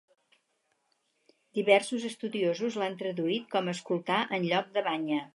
Diversos estudiosos l'han traduït com 'escoltar' en lloc de 'banya'.